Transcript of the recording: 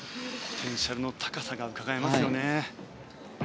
ポテンシャルの高さがうかがえますよね。